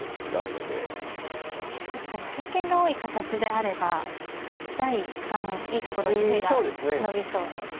確かに経験が多い形であれば第一感いいところに手が伸びそうですし。